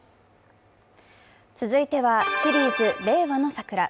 続いてはシリーズ「令和のサクラ」。